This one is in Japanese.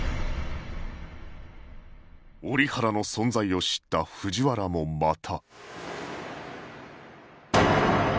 折原の存在を知った藤原もまた